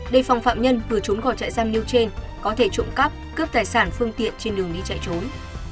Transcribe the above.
đề phòng phạm nhân vừa trốn vào trại giam nêu trên có thể trộm cắp cướp tài sản phương tiện trên đường đi chạy trốn